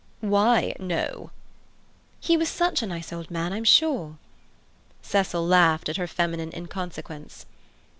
"Why 'no'?" "He was such a nice old man, I'm sure." Cecil laughed at her feminine inconsequence.